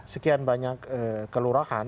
sekian banyak kelurahan